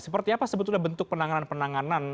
seperti apa sebetulnya bentuk penanganan penanganan